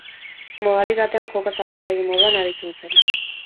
Modalitatean joko-zabaltzaile moduan aritzen zena.